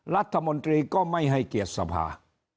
รัฐมนตรีก็ไม่ให้เกียรติสภา